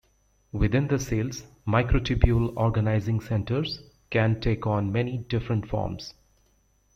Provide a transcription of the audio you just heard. Within the cells, microtubule-organizing centers can take on many different forms.